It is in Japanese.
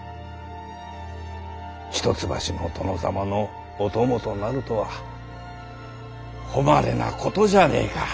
一橋の殿様のお供となるとは誉れなことじゃねぇか。